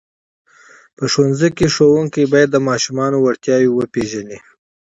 په ښوونځیو کې ښوونکي باید د ماشومانو وړتیاوې وپېژني.